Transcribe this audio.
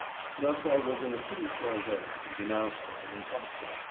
Thus I was in a pretty fair way to be denounced as an impostor.